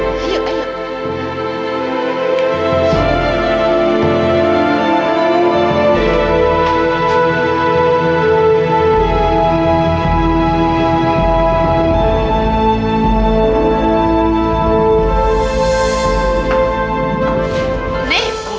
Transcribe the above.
nak nya kembali besoknya seperti apa yang kamu bilang